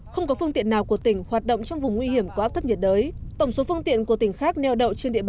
không có phương tiện nào của tỉnh hoạt động trong vùng nguy hiểm của áp thấp nhiệt đới